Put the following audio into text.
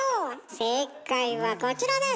正解はこちらです！